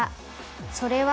「それは」